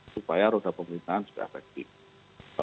supaya roda pemerintahan juga efektif